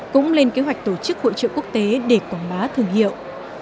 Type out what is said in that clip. cũng lên kế hoạch tổ chức hội trợ quốc tế để quảng bá thương hiệu